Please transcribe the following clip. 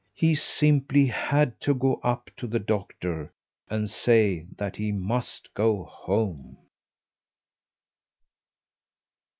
He simply had to go up to the doctor and say that he must go home.